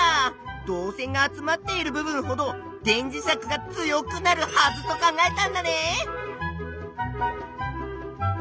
導線が集まっている部分ほど電磁石が強くなるはずと考えたんだね！